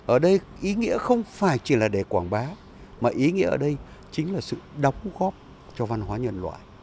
ở đây ý nghĩa không phải chỉ là để quảng bá mà ý nghĩa ở đây chính là sự đóng góp cho văn hóa nhân loại